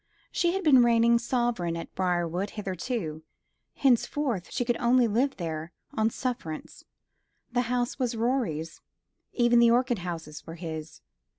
She had been reigning sovereign at Briarwood hitherto; henceforth she could only live there on sufferance. The house was Rorie's. Even the orchid houses were his.